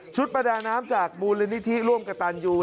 ชุดประดาน้ำจากบูรณนิธิร่วมกระตานยู